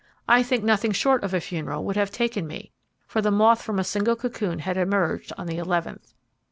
I think nothing short of a funeral would have taken me, for the moth from a single cocoon had emerged on the eleventh.